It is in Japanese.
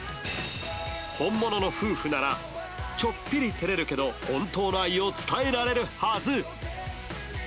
本物の夫婦ならちょっぴりてれるけど本当の愛を伝えられるはず！